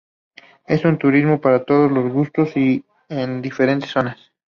Es un turismo para todos los gustos y en diferentes zonas.